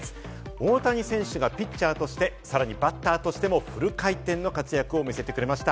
大谷選手がピッチャーとして、さらにバッターとしてもフル回転の活躍を見せてくれました。